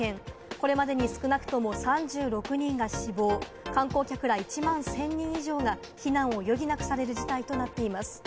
これまでに少なくとも３６人が死亡、観光客ら１万１０００人以上が避難を余儀なくされる事態となっています。